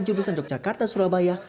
judusan yogyakarta surabaya